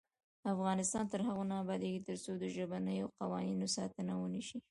افغانستان تر هغو نه ابادیږي، ترڅو د ژبنیو قوانینو ساتنه ونشي.